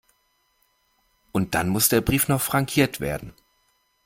Und dann muss der Brief noch frankiert werden.